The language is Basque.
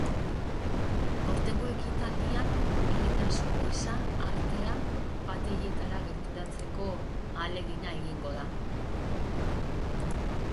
Aurtengo ekitaldian, berritasun gisa, artea upategietara gerturatzeko ahalegina egingo da.